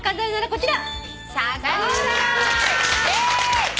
こちら。